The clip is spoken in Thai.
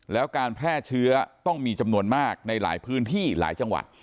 แล้วการแพร่เชื้อต้องมีจำนวนมากในหลายพื้นที่หลายจังหวัด